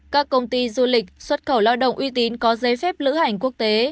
các công ty du lịch xuất khẩu lao động uy tín có giấy phép lữ hành quốc tế